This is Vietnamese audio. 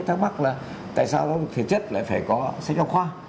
thắc mắc là tại sao giáo dục thể chất lại phải có sách học khoa